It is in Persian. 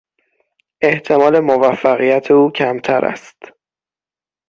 احتمال موفقیت او کمتر است.